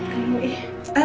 kasih ya bu